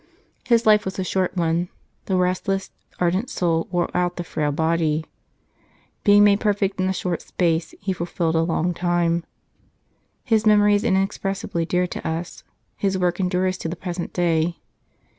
His life was a short one ; the restless, ardent soul wore out the frail body. " Being, made perfect in a short space, he fulfilled a long time." His memory is inexpressibly dear to us ; his work endures to the present day.